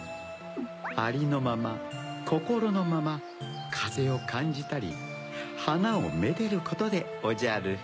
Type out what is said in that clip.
ありのままこころのままかぜをかんじたりはなをめでることでおじゃる。